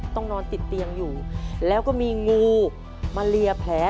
ต้องนอนติดเตียงอยู่แล้วก็มีงูมาเลียแผล